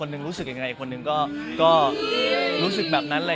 คนหนึ่งรู้สึกอย่างไรคนอื่นเราก็รู้สึกแบบนั้น